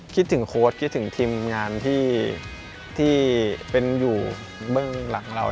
คิดถึงโค้ดคิดถึงทีมงานที่เป็นอยู่เบื้องหลังเรา